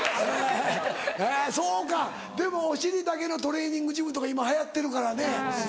そうかでもお尻だけのトレーニングジムとか今流行ってるからね。